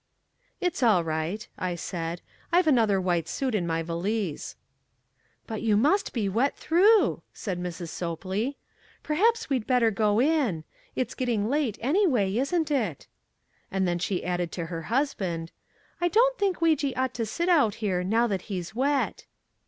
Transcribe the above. "It's all right," I said. "I've another white suit in my valise." "But you must be wet through," said Mrs. Sopley. "Perhaps we'd better go in. It's getting late, anyway, isn't it?" And then she added to her husband, "I don't think Weejee ought to sit out here now that he's wet."